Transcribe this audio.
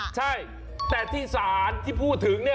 ใช่แต่ที่ศาลที่พูดถึง